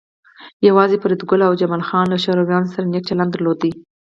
یوازې فریدګل او جمال خان له شورویانو سره نیک چلند درلود